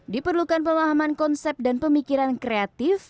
diperlukan pemahaman konsep dan pemikiran kreatif